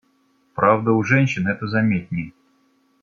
Правда у женщин это заметнее.